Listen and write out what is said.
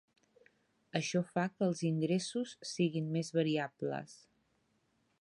Això fa que els ingressos siguin més variables.